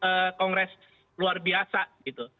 jadi kongres luar biasa gitu